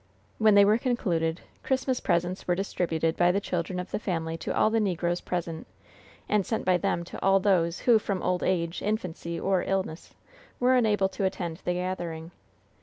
When they were concluded, Christmas presents were distributed by the children of the family to all the negroes present, and sent by them to all those who, from old age, infancy or illness, were unable to attend the gathering.